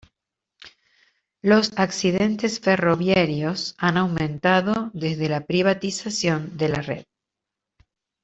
Los accidentes ferroviarios han aumentado desde la privatización de la red.